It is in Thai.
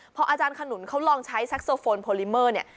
พออาจารย์ขนุนเขาลองใช้แซ็กโซโฟนโพลิเมอร์เนี่ย